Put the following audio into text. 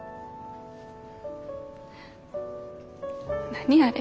何あれ。